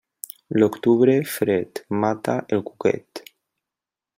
L'octubre fred mata el cuquet.